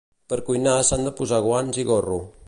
Per cuinar s'han de posar guants i gorro